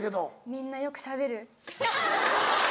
みんなよくしゃべる。